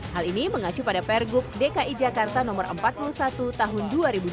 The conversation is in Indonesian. hal ini mengacu pada pergub dki jakarta no empat puluh satu tahun dua ribu dua puluh